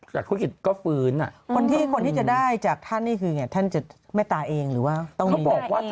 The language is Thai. พระยาศิริสัตว์ตระนักฮาราชช่วยหน่อย